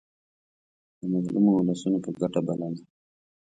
د مظلومو اولسونو په ګټه بلله.